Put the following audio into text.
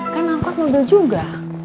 kan angkot mobil juga